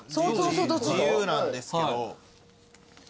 自由なんですけど。